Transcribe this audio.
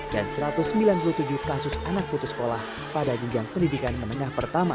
dan satu ratus sembilan puluh tujuh kasus anak putus sekolah pada jenjang pendidikan menengah pertama